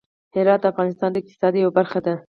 هرات د افغانستان د اقتصاد یوه برخه ده.